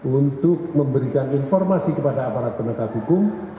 untuk memberikan informasi kepada aparat penegak hukum